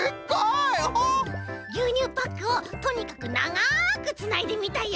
ぎゅうにゅうパックをとにかくながくつないでみたよ。